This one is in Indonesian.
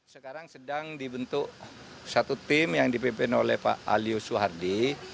sekarang sedang dibentuk satu tim yang dipimpin oleh pak alio suhardi